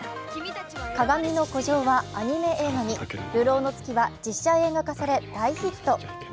「かがみの孤城」はアニメ映画に、「流浪の月」は実写映画化され大ヒット。